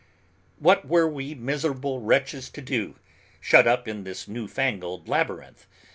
What were we miserable wretches to do, shut up in this newfangled labyrinth.